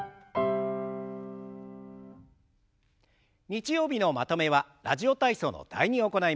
日曜日のまとめは「ラジオ体操」の「第２」を行います。